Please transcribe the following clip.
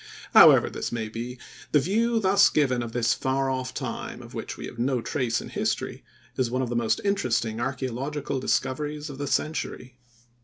However this may be, the view thus given of this far off time, of which we have no trace in history, is one of the most interesting archæological discoveries of the century.